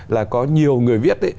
là có nhiều người viết